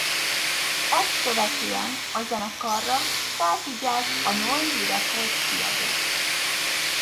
Ezt követően a zenekarra felfigyelt a Noise Records kiadó.